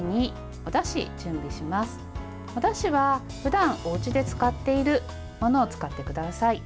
おだしは、ふだんおうちで使っているものを使ってください。